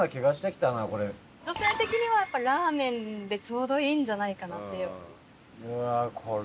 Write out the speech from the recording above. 女性的にはやっぱりラーメンでちょうどいいんじゃないかなっていう。